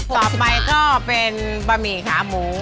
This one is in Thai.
๖๐บาทค่ะต่อไปก็เป็นปะหมี่ขาหมู